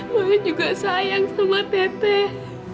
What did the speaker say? mama juga sayang sama teteh